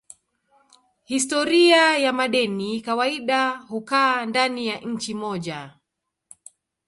Historia ya madeni kawaida hukaa ndani ya nchi moja.